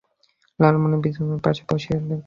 নীলমণি বিছানার পাশে বসিয়া বলিলেন-দেখি হাতখানা?